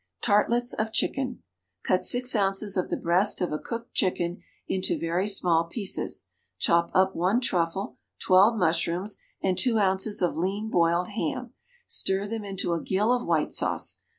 Tartlettes of Chicken. Cut six ounces of the breast of a cooked chicken into very small pieces, chop up one truffle, twelve mushrooms, and two ounces of lean boiled ham; stir them into a gill of white sauce.